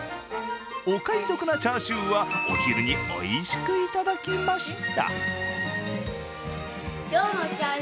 お買い得なチャーシューはお昼においしくいただきました。